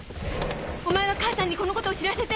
お前は母さんにこのことを知らせて。